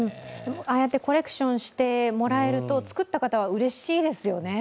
ああやってコレクションしてもらえると、作った方はうれしいですよね。